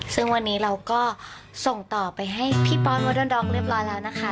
ซึ่งวันนี้เราก็ส่งต่อไปให้พี่ป้อนวดอดองเรียบร้อยแล้วนะคะ